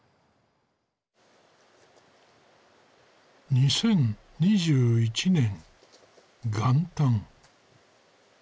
２０２１年元旦。